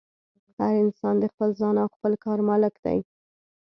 هر انسان د خپل ځان او خپل کار مالک دی.